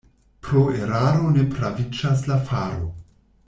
Pro eraro ne praviĝas la faro.